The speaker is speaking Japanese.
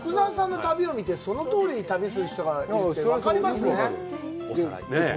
福澤さんの旅を見て、そのとおりに旅する人がいるって分かりますね。